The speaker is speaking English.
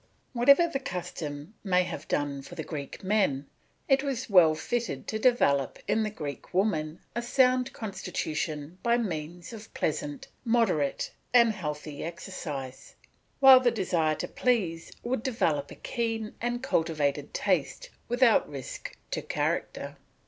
Whatever this custom may have done for the Greek men, it was well fitted to develop in the Greek women a sound constitution by means of pleasant, moderate, and healthy exercise; while the desire to please would develop a keen and cultivated taste without risk to character.